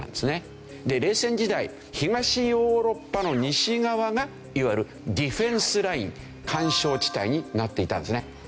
で冷戦時代東ヨーロッパの西側がいわゆるディフェンスライン緩衝地帯になっていたんですね。